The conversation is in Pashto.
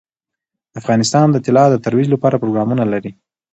افغانستان د طلا د ترویج لپاره پروګرامونه لري.